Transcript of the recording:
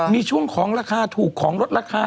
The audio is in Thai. มีช่วงของราคาถูกของลดราคา